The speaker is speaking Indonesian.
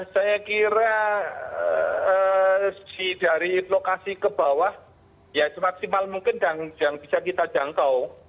saya kira dari lokasi ke bawah ya semaksimal mungkin yang bisa kita jangkau